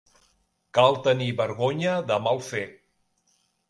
Cal tenir vergonya de mal fer.